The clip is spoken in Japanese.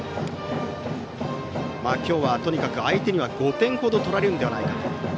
今日はとにかく相手には５点ほど取られるのではないかと。